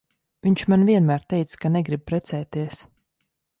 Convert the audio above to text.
Viņš man vienmēr teica, ka negrib precēties.